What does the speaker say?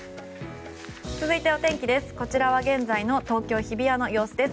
続いてお天気です。